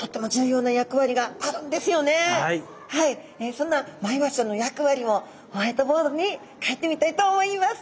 そんなマイワシちゃんの役割をホワイトボードに書いてみたいと思います。